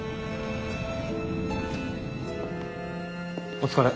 お疲れ。